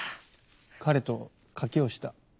彼と賭けをした。